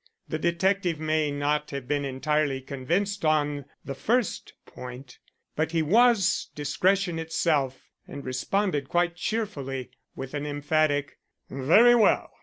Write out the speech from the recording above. The detective may not have been entirely convinced on the first point, but he was discretion itself, and responded quite cheerfully with an emphatic: "Very well.